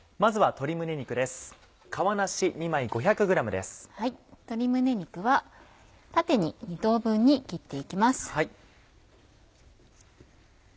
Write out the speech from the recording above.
鶏むね肉は縦に２等分に切って行きます。